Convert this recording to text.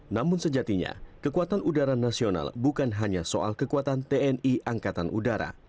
namun sejatinya kekuatan udara nasional bukan hanya soal kekuatan tni angkatan udara